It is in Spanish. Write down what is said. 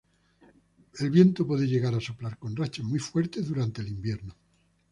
El viento puede llegar a soplar con rachas muy fuertes durante el invierno.